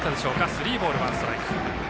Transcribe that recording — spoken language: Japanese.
スリーボールワンストライク。